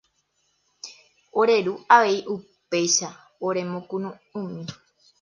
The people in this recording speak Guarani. Ore ru avei upéicha oremokunu'ũmi.